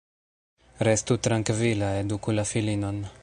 Restu trankvila, eduku la filinon.